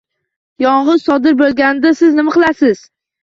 Yong‘in sodir bo‘lganda siz nima qilasiz